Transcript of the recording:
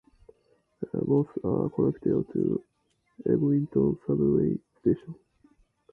Both are connected to Eglinton subway station.